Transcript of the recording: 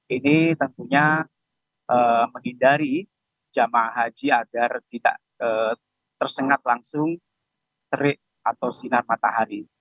ini tentunya menghindari jemaah haji agar tidak tersengat langsung terik atau sinar matahari